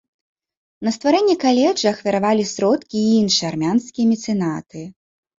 На стварэнне каледжа ахвяравалі сродкі і іншыя армянскія мецэнаты.